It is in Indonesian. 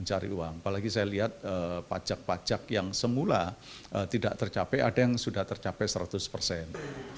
apalagi saya lihat pajak pajak yang semula tidak tercapai ada yang sudah tercapai seratus persen